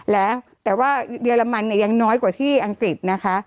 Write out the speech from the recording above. แล้วแต่ว่าเยอรมันเนี่ยยังน้อยกว่าที่อังกฤษนะคะ